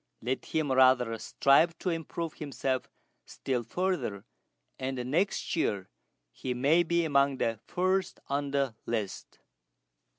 Let him rather strive to improve himself still further, and next year he may be among the first on the list."